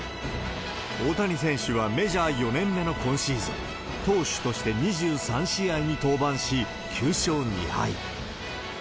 大谷選手はメジャー４年目の今シーズン、投手として２３試合に登板し、９勝２敗。